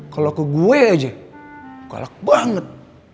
kalau ke gue aja kalak banget